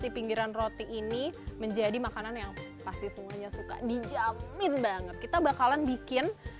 di pinggiran roti ini menjadi makanan yang pasti semuanya suka dijamin banget kita bakalan bikin